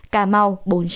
cà mau bốn trăm hai mươi hai